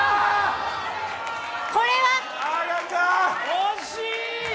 惜しい！